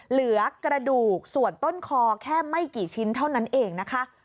เหลือกระดูกส่วนต้นคอแค่ไม่กี่ชิ้นเท่านั้นเองนะคะ